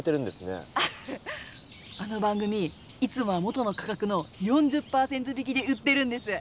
いつもは元の価格の４０％引きで売ってるんです。